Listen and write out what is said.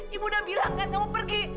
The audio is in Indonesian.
ibu udah bilang kan kamu pergi